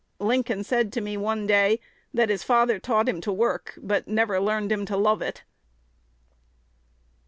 Lincoln said to me one day, that his father taught him to work, but never learned him to love it."